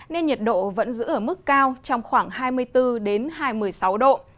nền nhiệt độ vẫn giữ ở mức cao trong khoảng hai mươi bốn đến hai mươi sáu độ